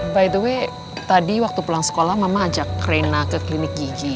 by the way tadi waktu pulang sekolah mama ajak rena ke klinik gigi